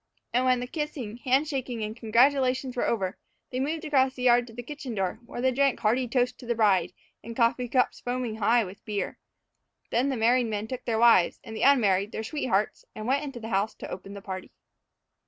And when the kissing, handshaking, and congratulations were over, they moved across the yard to the kitchen door, where they drank hearty toasts to the bride, in coffee cups foaming high with beer. Then the married men took their wives, and the unmarried, their sweethearts, and went into the house to open the party.